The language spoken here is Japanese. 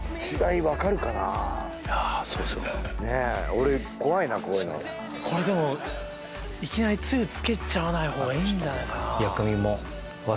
俺怖いなこういうのこれでもいきなりつゆつけちゃわない方がいいんじゃないかなあ